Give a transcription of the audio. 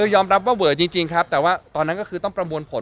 ยอมรับว่าเวอจริงครับแต่ว่าตอนนั้นก็คือต้องประมวลผล